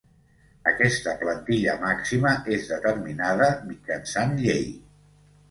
Aquesta plantilla màxima és determinada mitjançant llei.